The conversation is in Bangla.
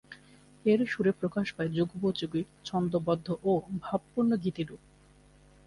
এর সুরে প্রকাশ পায় যুগোপযোগী ছন্দোবদ্ধ ও ভাবপূর্ণ গীতিরূপ।